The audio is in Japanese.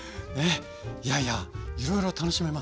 いやいやいろいろ楽しめますね。